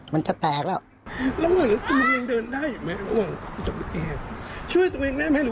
มันแค่แตกแล้ว